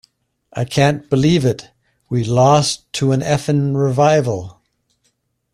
I can't believe it; we lost to a f------ revival!